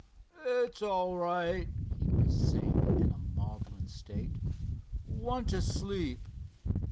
"It's all right," he was saying, in a maudlin state. "Want to sleep."